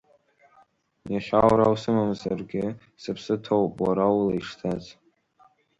Иахьа уара усымамзаргьы, сыԥсы ҭоуп, уара ула ишҭац.